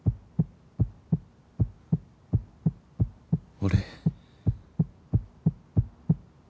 俺。